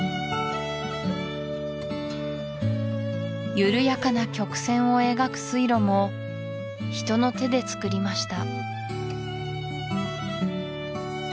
緩やかな曲線を描く水路も人の手で造りました